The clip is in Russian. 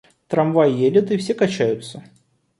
Трамвай едет и все качаются.